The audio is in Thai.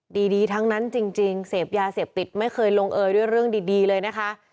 ดีทั้งนั้นจริงเสพยาเสพติดไม่เคยลงเอยด้วยเรื่องดีเลยนะคะ